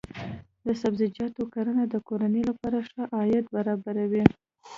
د سبزیجاتو کرنه د کورنۍ لپاره ښه عاید برابروي.